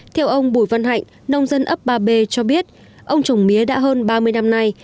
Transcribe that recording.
theo ông bùi văn hạnh nông dân ấp ba b cho biết ông trồng mía đã hơn ba mươi năm nay